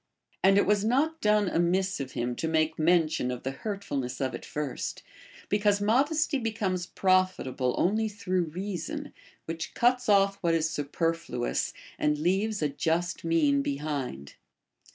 * And it was not done amiss of him to make mention of the hurtfulness of it first, because modesty becomes profita ble only through reason, which cuts off what is superflu ous and leaves a just mean behind.